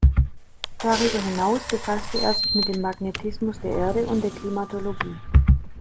Darüber hinaus befasste er sich mit dem Magnetismus der Erde und der Klimatologie.